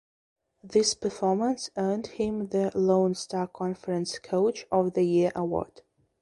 This performance earned him the Lone Star Conference Coach of the Year award.